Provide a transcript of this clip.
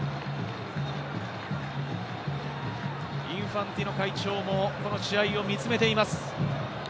インファンティーノ会長もこの試合を見つめています。